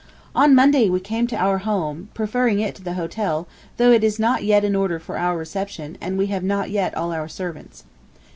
On Monday we came to our home, preferring it to the hotel, though it is not yet in order for our reception, and we have not yet all our servants.